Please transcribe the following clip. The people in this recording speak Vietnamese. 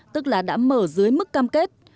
tức là đã mở dưới mức cam kết